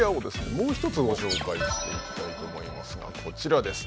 もう一つご紹介していきたいと思いますがこちらです。